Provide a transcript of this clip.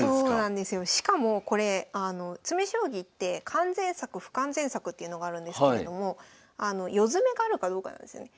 しかもこれ詰将棋って完全作不完全作っていうのがあるんですけれども余詰があるかどうかなんですよね。